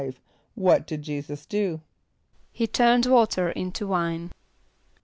= What did J[=e]´[s+]us do? =He turned water into wine.